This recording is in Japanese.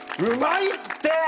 うまいって！